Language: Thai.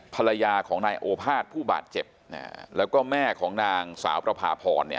ภรรยาของนายโอภาสผู้บาดเจ็บเนี่ยแล้วก็แม่ของนางสาวประพาพรเนี่ย